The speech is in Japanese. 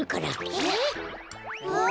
えっ？